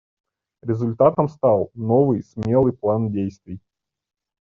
Результатом стал новый смелый план действий.